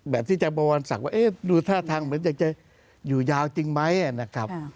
แบบที่จังบวนสั่งว่าดูท่าทางเหมือนอยากจะอยู่ยาวจริงไหมนะครับ